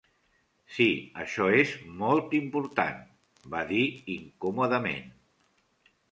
"Sí, això és molt important", va dir incòmodament.